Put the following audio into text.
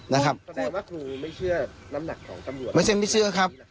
แสดงว่าครูไม่เชื่อน้ำหนักของตำรวจไม่ใช่ไม่เชื่อครับ